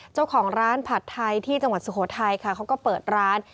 เจ้าของร้านผัดไทยที่จังหวัดสุโขทัยค่ะเขาก็เปิดร้าน